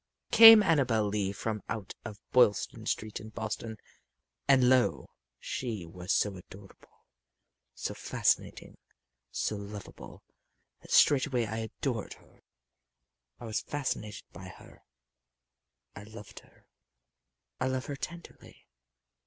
Came Annabel Lee from out of Boylston street in Boston. And lo, she was so adorable, so fascinating, so lovable, that straightway I adored her; I was fascinated by her; I loved her. I love her tenderly.